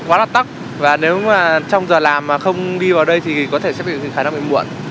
quá là tắc và nếu mà trong giờ làm mà không đi vào đây thì có thể sẽ bị khá là muộn